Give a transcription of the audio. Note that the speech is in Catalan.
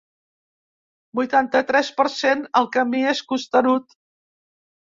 Vuitanta-tres per cent El camí és costerut.